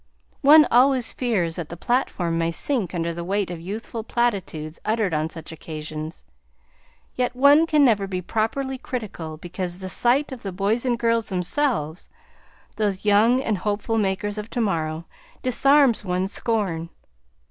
One always fears that the platform may sink under the weight of youthful platitudes uttered on such occasions; yet one can never be properly critical, because the sight of the boys and girls themselves, those young and hopeful makers of to morrow, disarms one's scorn.